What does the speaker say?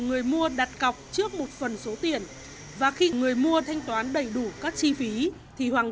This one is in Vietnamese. người mua đặt cọc trước một phần số tiền và khi người mua thanh toán đầy đủ các chi phí thì hoàng